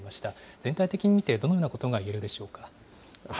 全体的に見て、どのようなことがいえるでしょうか。